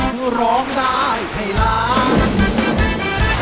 เพื่อร้องได้ให้ร้าง